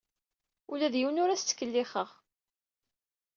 Ula d yiwen ur as-ttkellixeɣ.